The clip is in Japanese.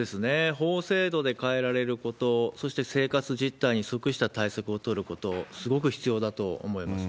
法制度で変えられること、そして生活実態に即した対策を取ること、すごく必要だと思います。